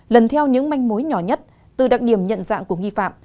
lần theo những manh mối nhỏ nhất từ đặc điểm nhận dạng của nghi phạm